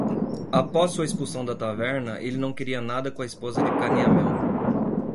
Após sua expulsão da taverna, ele não queria nada com a esposa de Canyamel.